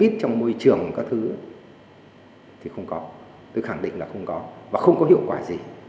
tôi khẳng định là không có và không có hiệu quả gì